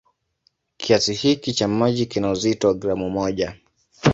Kiasi hiki cha maji kina uzito wa gramu moja.